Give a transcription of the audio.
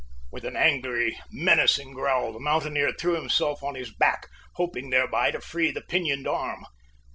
With an angry, menacing growl, the mountaineer threw himself on his hack, hoping thereby to free the pinioned arm.